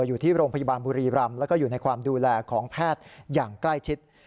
อยู่ที่โรงพยาบาลบุรีรำแล้วก็อยู่ในความดูแลของแพทย์อย่างใกล้ชิด